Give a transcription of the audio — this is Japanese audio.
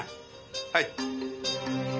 はい。